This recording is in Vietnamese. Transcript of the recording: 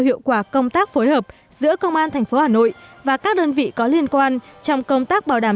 hiệu quả công tác phối hợp giữa công an tp hà nội và các đơn vị có liên quan trong công tác bảo đảm